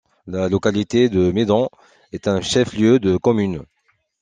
La localité de Médon est un chef-lieu de commune.